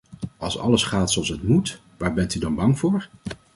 Als alles gaat zoals het moet, waar bent u dan bang voor?